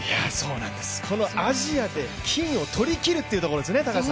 このアジアで金を取りきるっていうところですね。